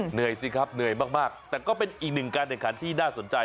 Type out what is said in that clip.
เหนื่อยสิครับเหนื่อยมากแต่ก็เป็นอีกหนึ่งการแข่งขันที่น่าสนใจ